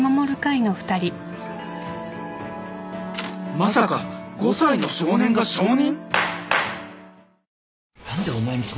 ・「まさか５歳の少年が証人！？」